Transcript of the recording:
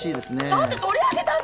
だって取り上げたじゃん！